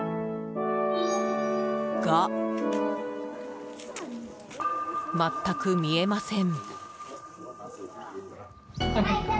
が、全く見えません。